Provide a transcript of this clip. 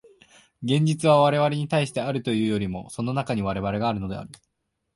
現実は我々に対してあるというよりも、その中に我々があるのである。